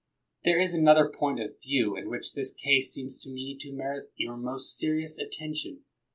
There is another point of view in which this case seems to me to merit your most serious attention.